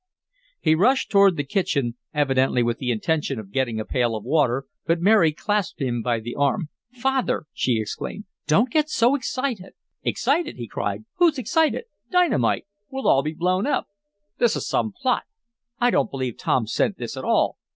He rushed toward the kitchen, evidently with the intention of getting a pail of water, but Mary clasped him by the arm. "Father!" she exclaimed. "Don't get so excited!" "Excited!" he cried. "Who's excited? Dynamite! We'll all be blown up! This is some plot! I don't believe Tom sent this at all!